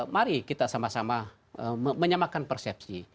mari kita sama sama menyamakan persepsi